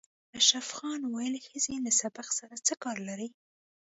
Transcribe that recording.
اشرف خان ویل ښځې له سبق سره څه کار لري